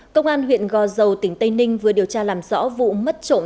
công an huyện gò dầu tỉnh tây ninh vừa điều tra làm rõ vụ mất trộm